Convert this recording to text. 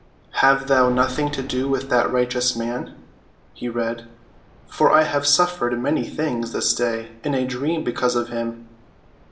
"Have thou nothing to do with that righteous man," he read, "for I have suffered many things this day in a dream because of him."